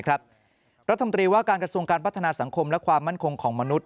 รัฐมนตรีว่าการกระทรวงการพัฒนาสังคมและความมั่นคงของมนุษย